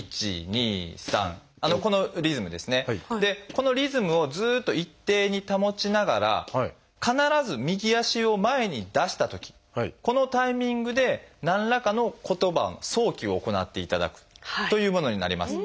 このリズムをずっと一定に保ちながら必ず右足を前に出したときこのタイミングで何らかの言葉の想起を行っていただくというものになります。